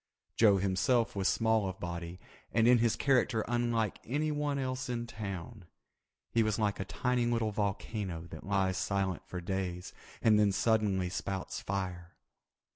Joe himself was small of body and in his character unlike anyone else in town. He was like a tiny little volcano that lies silent for days and then suddenly spouts fire.